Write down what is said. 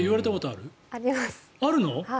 あるの？